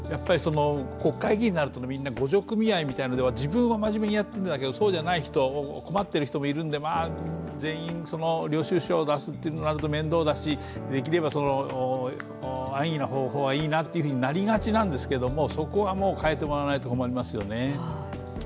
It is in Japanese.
国家議員にになると、みんな互助組合みたいみたいなので自分は真面目にやっているんだけどそうではない人、困っている人もいるので全員領収書を出すとなると面倒だし、安易な方法がいいなとなりがちなんですが、そこは変えてもらわないと困りますよね。